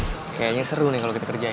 kayaknya seru nih kalau kita kerjain